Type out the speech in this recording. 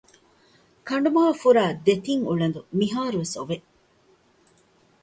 ކަނޑުމަހަށް ފުރާ ދެތިން އުޅަދު މިހާރު ވެސް އޮވެ